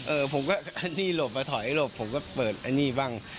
ผมก็อันนี้หลบมาถอยหลบผมก็เปิดอันนี้บ้าง